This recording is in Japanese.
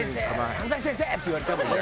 安西先生！」って言われちゃうもんね。